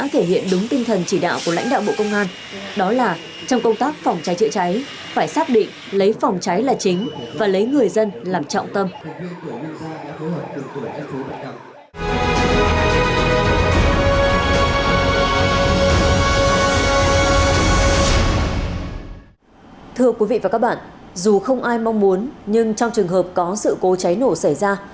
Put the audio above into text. thưa quý vị và các bạn dù không ai mong muốn nhưng trong trường hợp có sự cố trái nổ xảy ra